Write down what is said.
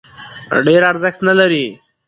ډېر ارزښت نه لري.